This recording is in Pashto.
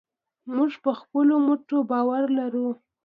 موږ په خپلو مټو باور لرو.